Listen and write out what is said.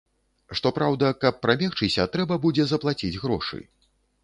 Што праўда, каб прабегчыся, трэба будзе заплаціць грошы.